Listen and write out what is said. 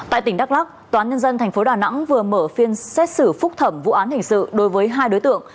tại tỉnh đắk lắc tòa án nhân dân tp đà nẵng vừa mở phiên xét xử phúc thẩm vụ án hình sự đối với hai đối tượng